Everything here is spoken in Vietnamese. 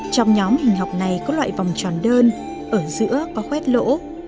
trong nhóm hình học này có loại vòng tròn đơn ở giữa có khoét lỗ